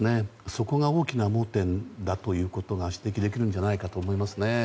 そこが大きな盲点だということが指摘できるんじゃないかと思いますね。